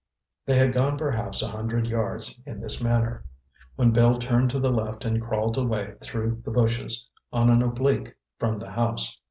They had gone perhaps a hundred yards in this manner, when Bill turned to the left and crawled away through the bushes, on an oblique from the house.